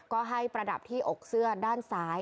ก็ให้ประดับที่อกเสื้อด้านซ้าย